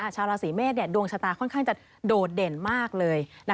ชาวราศีเมษดวงชะตาค่อนข้างจะโดดเด่นมากเลย